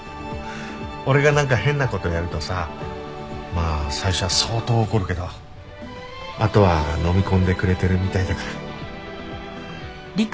俺がなんか変な事やるとさまあ最初は相当怒るけどあとはのみ込んでくれてるみたいだから。